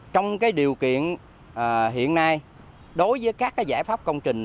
trong điều kiện hiện nay đối với các giải pháp công trình